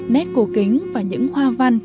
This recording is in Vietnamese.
nét cổ kính và những hoa văn